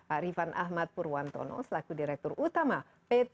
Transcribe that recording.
arifan ahmad purwantono selaku direktur utama pt